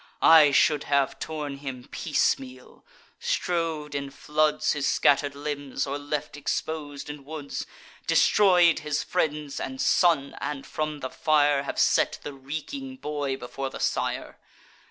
I should have torn him piecemeal; strow'd in floods His scatter'd limbs, or left expos'd in woods; Destroy'd his friends and son; and, from the fire, Have set the reeking boy before the sire.